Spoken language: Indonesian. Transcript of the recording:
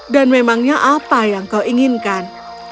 dan memangnya apa yang kau inginkan